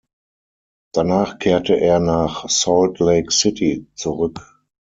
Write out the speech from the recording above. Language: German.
Danach kehrte er nach Salt Lake City zurück.